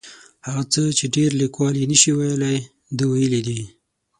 هغه څه چې ډېر لیکوال یې نشي ویلی ده ویلي دي.